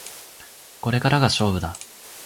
これからが勝負だ